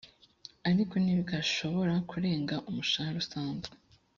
ariko ntigashobora kurenga umushahara usanzwe